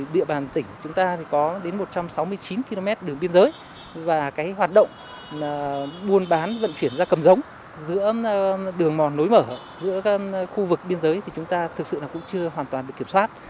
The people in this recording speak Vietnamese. địa bàn tỉnh chúng ta thì có đến một trăm sáu mươi chín km đường biên giới và cái hoạt động buôn bán vận chuyển ra cầm giống giữa đường mòn lối mở giữa khu vực biên giới thì chúng ta thực sự là cũng chưa hoàn toàn được kiểm soát